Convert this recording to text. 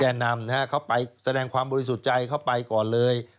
นำนะฮะเขาไปแสดงความบริสุทธิ์ใจเข้าไปก่อนเลย